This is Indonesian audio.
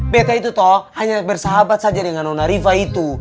bk itu tok hanya bersahabat saja dengan nona riva itu